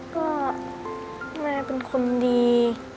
ก็แม่เป็นคนดี